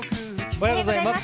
おはようございます。